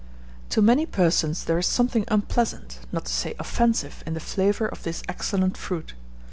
To many persons there is something unpleasant, not to say offensive, in the flavour of this excellent fruit.